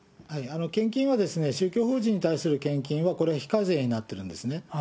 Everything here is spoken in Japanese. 献金は、宗教法人に対する献金は、これは非課税になってるんですね。